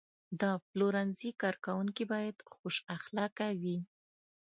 د پلورنځي کارکوونکي باید خوش اخلاقه وي.